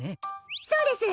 そうです！